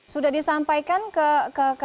sudah disampaikan ke pemerintah provinsi kah